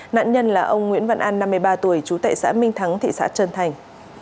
nạn nhân là ông nguyễn văn an năm mươi ba tuổi chú tệ xã minh thắng thị xã trân thành